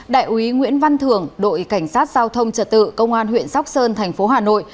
đại úy nguyễn văn thường đội cảnh sát giao thông trật tự công an huyện sóc sơn thành phố hà nội